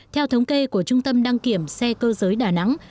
theo thống kê của trung tâm đăng kiểm xe cơ giới đà nẵng